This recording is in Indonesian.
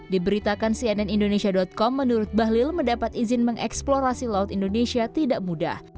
diberitakan cnn indonesia com menurut bahlil mendapat izin mengeksplorasi laut indonesia tidak mudah